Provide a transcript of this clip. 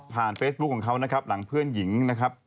เฟซบุ๊คของเขานะครับหลังเพื่อนหญิงนะครับ